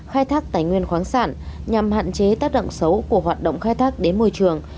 khai thác tài nguyên khoáng sản nhằm hạn chế tác động xấu của hoạt động khai thác đến môi trường